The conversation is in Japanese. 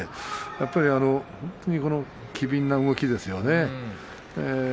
やっぱり本当に機敏な動きですよね。